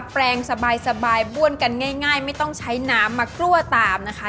แปลงสบายบ้วนกันง่ายไม่ต้องใช้น้ำมากลัวตามนะคะ